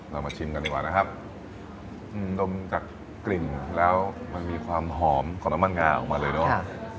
เรามาชิมกันดีกว่านะครับนมจากกลิ่นแล้วมันมีความหอมของน้ำมันงาออกมาเลยเนอะ